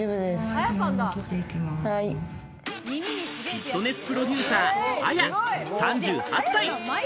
フィットネスプロデューサー・ＡＹＡ、３８歳。